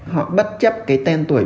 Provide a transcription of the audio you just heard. họ bất chấp cái tên tuổi